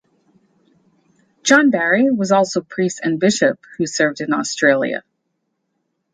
John Barry was also priest and bishop who served in Australia.